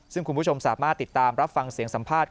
ซึ่งคุณผู้ชมสามารถติดตามรับฟังเสียงสัมภาษณ์